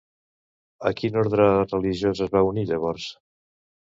A quin orde religiós es va unir llavors?